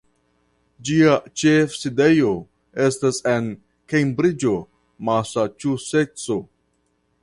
Ĝia ĉefsidejo estas en Kembriĝo (Masaĉuseco).